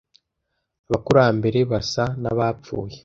abakurambere basa n'abapfuye